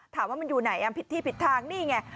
ถามว่ามันอยู่ไหนผิดที่ผิดทางนี่ไง